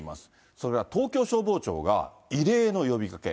それから東京消防庁が異例の呼びかけ。